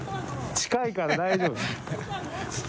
近いから大丈夫。